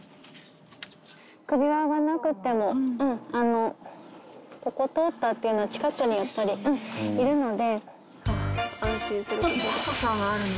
首輪がなくっても、ここ通ったっていうの、近くにやっぱりいるので。